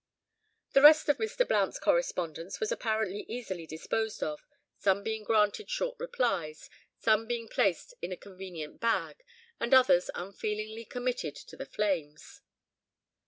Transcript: The rest of Mr. Blount's correspondence was apparently easily disposed of, some being granted short replies, some being placed in a convenient bag, and others unfeelingly committed to the flames.